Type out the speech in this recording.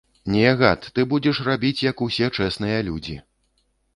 Не, гад, ты будзеш рабіць, як усе чэсныя людзі.